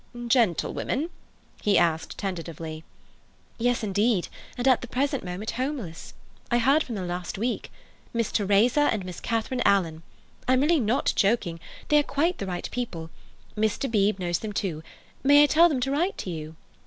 "Gentlewomen?" he asked tentatively. "Yes, indeed, and at the present moment homeless. I heard from them last week—Miss Teresa and Miss Catharine Alan. I'm really not joking. They are quite the right people. Mr. Beebe knows them, too. May I tell them to write to you?"